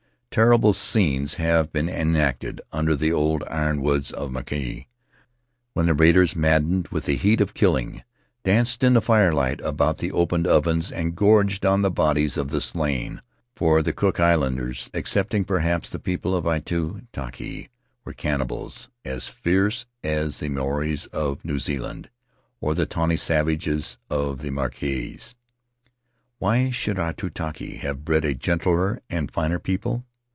Terrible scenes have been enacted under the old iron woods of Mauke, when the raiders, maddened with the A Memory of Mauke heat of killing, danced in the firelight about the opened ovens and gorged on the bodies of the slain; for the Cook Islanders, excepting perhaps the people of Aitu> taki, were cannibals as fierce as the Maoris of New Zealand or the tawny savages of the Marquesas. Why should Aitutaki have bred a gentler and finer people?